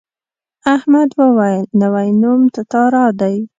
احمد وویل نوی نوم تتارا دی.